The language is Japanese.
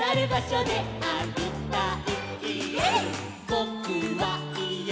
「ぼ・く・は・い・え！